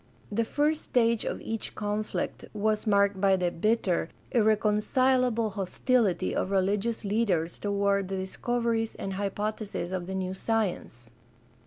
The first stage of each conflict was marked by the bitter, irreconcilable hostility of religious leaders toward the discoveries and hypotheses of the new science.